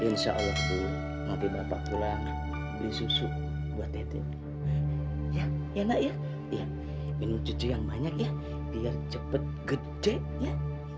nanti bapak pulang beli susu buat dedek ya enak ya minum cucu yang banyak ya biar cepet gede ya